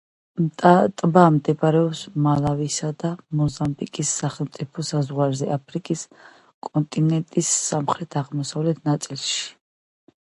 ტბა მდებარეობს მალავისა და მოზამბიკის სახელმწიფო საზღვარზე, აფრიკის კონტინენტის სამხრეთ-აღმოსავლეთ ნაწილში.